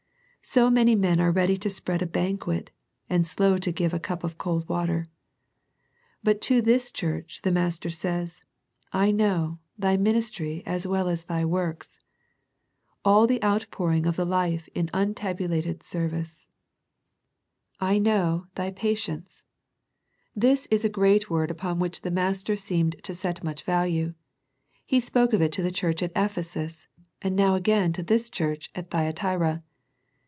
So many men are ready to spread a banquet, and slow to give a cup of cold water. But to this church the Master says, " I know ... thy ministry, as well as thy works," all the outpouring of the life in untabulated serv ice. 1 1 6 A First Century Message " I know ... thy patience." This is a great word upon which the Master seemed to set much value. He spoke of it to the church at Ephesus, and now ag^ain to this church at Thyatira.